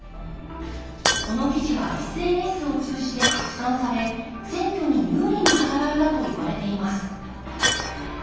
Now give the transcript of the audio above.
この記事はＳＮＳを通じて拡散され選挙に有利に働いたといわれています